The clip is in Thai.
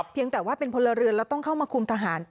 เพียงแต่ว่าเป็นพลเรือนแล้วต้องเข้ามาคุมทหาร